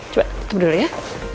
coba tutup dulu ya